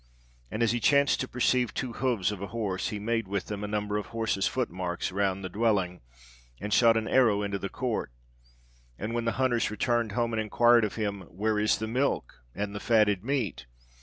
And as he chanced to perceive two hoofs of a horse, he made with them a number of horse's footmarks around the dwelling, and shot an arrow into the court; and when the hunters returned home and inquired of him, 'Where is the milk and the fatted meat?'